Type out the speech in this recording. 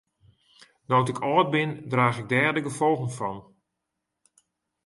No't ik âld bin draach ik dêr de gefolgen fan.